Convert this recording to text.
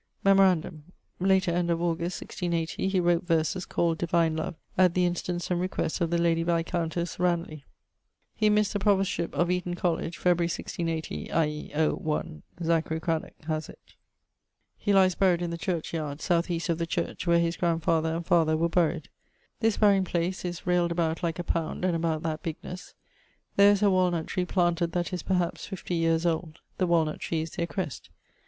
Memorandum: later end of Aug. 1680, he wrote verses, called 'Divine Love,' at the instance and request of the lady viscountesse Ranulagh. He missed the Provostship of Eaton Colledge, 1680 ; haz it. He lies buried in the church yard (south east of the church), where his grandfather and father were buried. This burying place railed about like a pound, and about that bignesse. There is a walnut tree planted, that is, perhaps, 50 yeares old: (the walnut tree is their crest.)